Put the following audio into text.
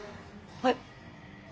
はい。